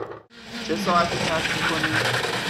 چه ساعتی ترک می کنیم؟